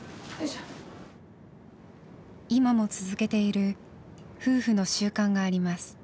今も続けている夫婦の習慣があります。